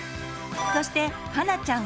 そしてはなちゃん